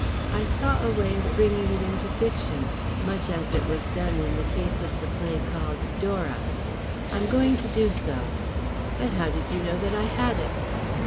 I saw a way of bringing it into fiction, much as it was done in the case of the play called 'Dora.' I am going to do so." "But how did you know that I had it?"